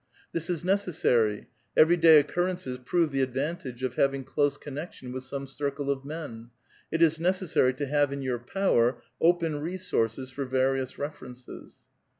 ^^ This is necessary ; every day occurrences prove the advantage of having close connection with some circle of men ; it is necessarv to have in your power open resources for various references."